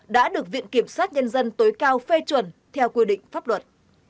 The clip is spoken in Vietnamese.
đã được viện kiểm sát nhân dân tối cao phê chuẩn theo quy định pháp luật